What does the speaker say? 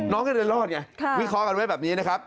น้องก็เรียนรอดไงวิเคราะห์กันไว้แบบนี้นะครับ